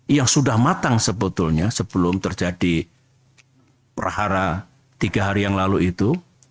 yang sudah matang sebetulnya sebelum terjadi perahara tiga hari yang lalu itu